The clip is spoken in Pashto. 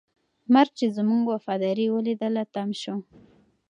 مرګ چې زموږ وفاداري ولیدله، تم شو.